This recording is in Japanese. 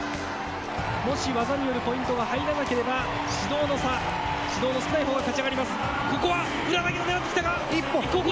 もし、技によるポイントが入らなければ、指導の差、指導の少ないほうが勝ちになります。